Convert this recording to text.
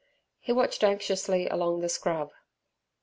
He watched anxiously along the scrub.